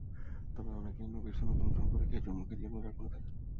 তবে অনেকে নবীর সুন্নত অনুসরণ করে খেজুর মুখে দিয়ে রোজা খুলে থাকেন।